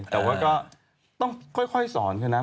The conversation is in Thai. แต่ว่าก็ต้องค่อยสอนใช่ไหม